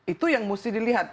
itu yang mesti dilihat